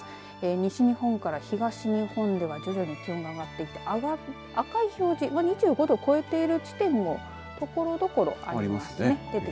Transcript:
西日本から東日本では徐々に気温が上がっていて赤い表示２５度を超えている地点もところどころありますね。